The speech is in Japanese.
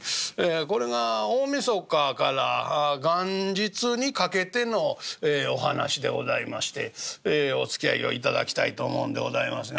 これが大晦日から元日にかけてのお噺でございましておつきあいを頂きたいと思うんでございますが。